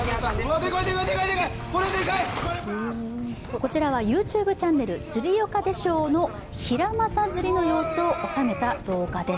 こちらはＹｏｕＴｕｂｅチャンネル、「釣りよかでしょう」のヒラマサ釣りの様子を収めた動画です。